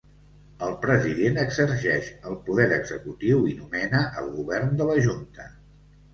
El President exerceix el poder executiu i nomena el Govern de la Junta.